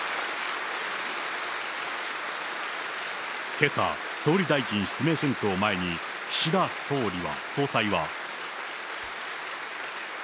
けさ、総理大臣指名選挙を前に、岸田総裁は。